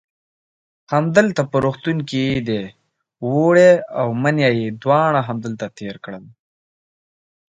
همدلته په روغتون کې دی، اوړی او منی یې دواړه همدلته تېر کړل.